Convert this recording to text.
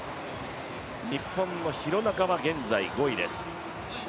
日本の廣中は現在５位です。